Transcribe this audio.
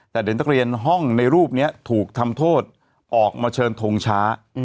แต่เด็กนักเรียนห้องในรูปนี้ถูกทำโทษออกมาเชิญทงช้า